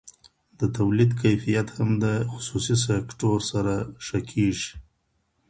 د تولید کيفيت هم د خصوصي سکتور سره ښه کیږي.